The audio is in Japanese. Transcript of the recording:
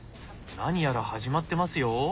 何やら始まってますよ。